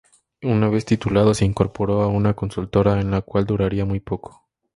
Una vez titulado se incorporó a una consultora en la cual duraría poco tiempo.